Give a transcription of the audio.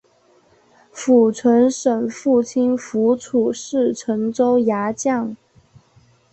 符存审父亲符楚是陈州牙将。